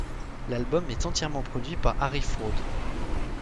L'album est entièrement produit par Harry Fraud.